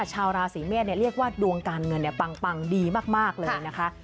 ชาวราศีเมษเรียกว่าดวงการเงินปังดีมากเลยนะคะ